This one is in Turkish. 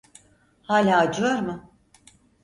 Hala acıyor mu?